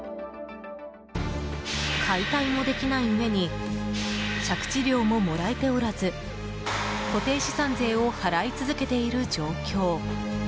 解体もできないうえに借地料ももらえておらず固定資産税を払い続けている状況。